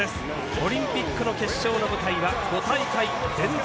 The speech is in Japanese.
オリンピックの決勝の舞台は５大会連続